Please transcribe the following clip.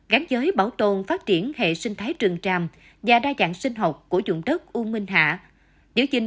gắn giới bảo tồn phát triển hệ sinh thái